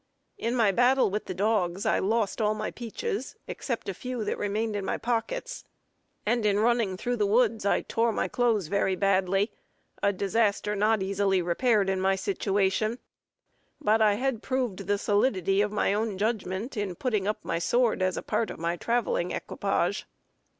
In my battle with the dogs, I lost all my peaches, except a few that remained in my pockets; and in running through the woods I tore my clothes very badly, a disaster not easily repaired in my situation; but I had proved the solidity of my own judgment in putting up my sword as a part of my traveling equipage.